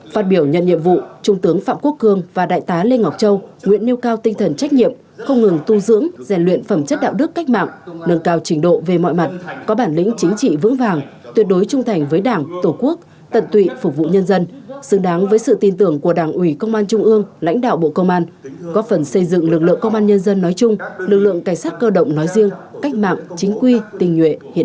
phát biểu nhận nhiệm vụ trung tướng phạm quốc cương và đại tá lê ngọc châu nguyện nêu cao tinh thần trách nhiệm không ngừng tu dưỡng rèn luyện phẩm chất đạo đức cách mạng nâng cao trình độ về mọi mặt có bản lĩnh chính trị vững vàng tuyệt đối trung thành với đảng tổ quốc tận tụy phục vụ nhân dân xứng đáng với sự tin tưởng của đảng ủy công an trung ương lãnh đạo bộ công an có phần xây dựng lực lượng công an nhân dân nói chung lực lượng cảnh sát cơ động nói riêng cách mạng chính quy tình nguyện